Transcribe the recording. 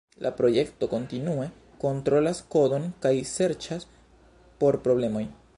La projekto kontinue kontrolas kodon kaj serĉas por problemoj.